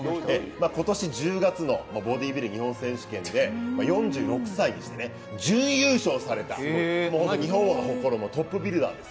今年１０月のボディビル日本選手権で４６歳でして、準優勝された日本を誇るトップビルダーです。